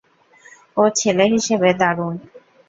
ও ছেলে হিসেবে দারুণ!